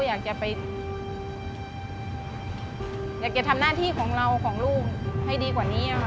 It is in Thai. อยากจะไปอยากจะทำหน้าที่ของเราของลูกให้ดีกว่านี้ค่ะ